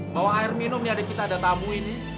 bawa air minum nih adik kita ada tamu ini